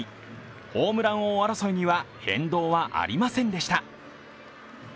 ホームラン王争いには変動はありませんでした。